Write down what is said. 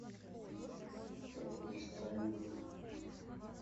Создадим ли мы процесс, параллельный Конференции по разоружению?